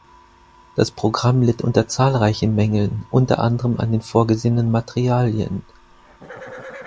Das Programm litt unter zahlreichen Mängeln, unter anderem an den vorgesehenen Materialien.